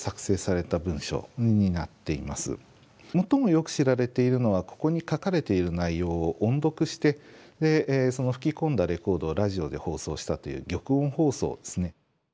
最もよく知られているのはここに書かれている内容を音読してでその吹き込んだレコードをラジオで放送したという玉音放送ですね。